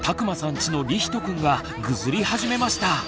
ちのりひとくんがぐずり始めました！